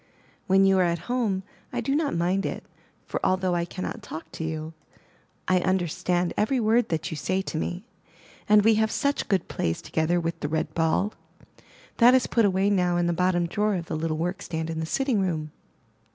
When you are at home I do not mind it, for although I cannot talk to you, I understand 319 MY BOOK HOUSE every word that you say to me, and we have such good plays together with the red ball. That is put away now in the bottom drawer of the little workstand in the sitting room.